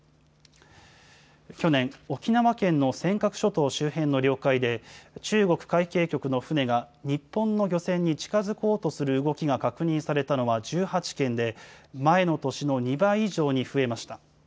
去年、沖縄県の尖閣諸島周辺の領海で、中国海警局の船が日本の漁船に近づこうとする動きが確認されたのは１８件で、前の年の２倍以上に増えました。